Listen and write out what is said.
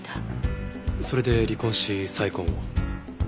それで離婚し再婚を？